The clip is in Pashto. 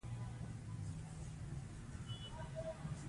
د هېواد تاریخ په ویاړونو ډک دی.